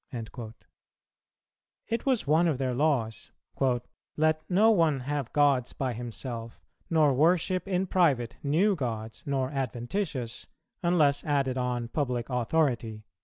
"[234:1] It was one of their laws, "Let no one have gods by himself, nor worship in private new gods nor adventitious, unless added on public authority."